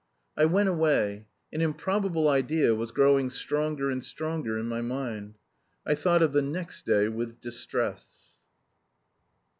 I went away. An improbable idea was growing stronger and stronger in my mind. I thought of the next day with distress....